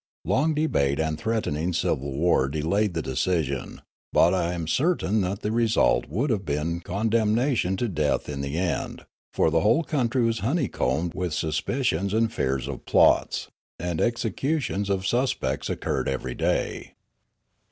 Long debate and threatening civil war delayed the decision, but I am certain that the result would have been condemnation to death in the end, for the whole country was honeycombed with suspicions and fears of plots ; and executions of suspects occurred every day.